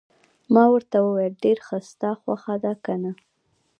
ما ورته وویل: ډېر ښه، ستا خوښه ده، که نه؟